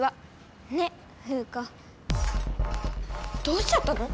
どうしちゃったの？